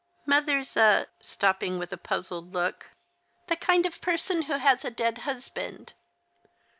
Mother's a "— stopping with a puzzled look — "the kind of person who has a dead husband."